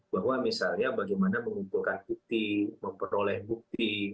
bahwa misalnya bagaimana mengumpulkan bukti memperoleh bukti